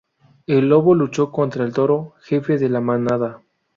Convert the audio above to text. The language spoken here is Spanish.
El lobo luchó contra el toro, jefe de la manada.